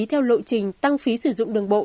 theo lộ trình tăng phí sử dụng đường bộ